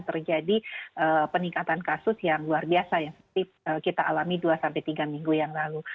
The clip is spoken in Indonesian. terjadi peningkatan kasus yang luar biasa yang seperti kita alami dua sampai tiga minggu yang lalu